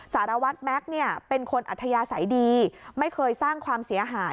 สารวัตรแม็กซ์เนี่ยเป็นคนอัธยาศัยดีไม่เคยสร้างความเสียหาย